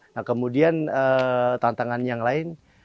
nah kemudian tantangan yang lain ya tentu